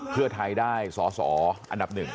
เพื่อไทยได้สอสออันดับหนึ่ง